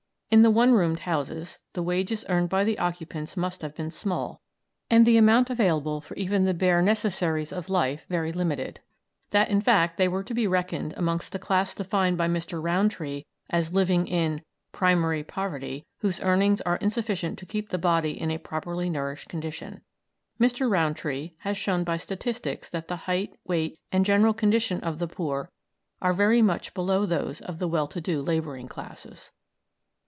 In the one roomed houses the wages earned by the occupants must have been small, and the amount available for even the bare necessaries of life very limited, that, in fact, they were to be reckoned amongst the class defined by Mr. Rowntree as living in "primary poverty," whose earnings are insufficient to keep the body in a properly nourished condition. Mr. Rowntree has shown by statistics that the height, weight, and general condition of the poor are very much below those of the well to do labouring classes.